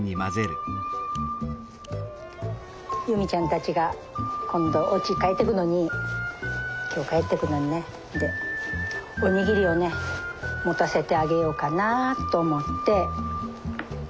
ユミちゃんたちが今度おうち帰ってくのに今日帰ってくのにねでお握りをね持たせてあげようかなと思って。